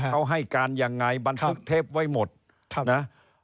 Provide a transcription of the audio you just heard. เขาให้การยังไงบรรพเทพไว้หมดนะ